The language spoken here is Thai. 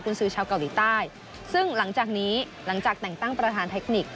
คุณซื้อชาวเกาหลีใต้ซึ่งหลังจากนี้หลังจากแต่งตั้งประธานเทคนิค